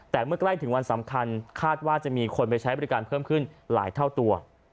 แต่เมื่อใกล้ถึงวันสำคัญคาดว่าจะมีคนไปใช้บริการเพิ่มขึ้นหลายเท่าตัว